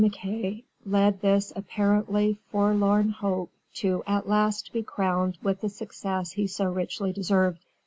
MacKay led this apparently forlorn hope to at last be crowned with the success he so richly deserved.